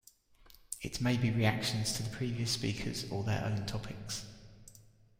It may be reactions to the previous speakers or their own topics.